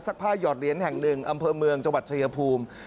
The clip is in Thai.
ผ้าหยอดเหรียญแห่งหนึ่งอำเภอเมืองจังหวัดชายภูมิ